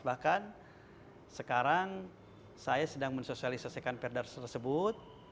bahkan sekarang saya sedang mensosialisasikan perda tersebut